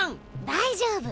大丈夫。